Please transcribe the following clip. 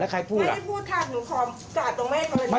แล้วใครพูดล่ะไม่ได้พูดค่ะหนูขอกัดตรงแม่